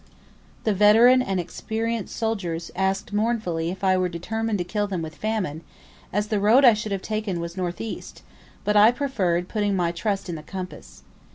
The veteran and experienced soldiers asked mournfully if I were determined to kill them with famine, as the road I should have taken was north east; but I preferred putting my trust in the compass.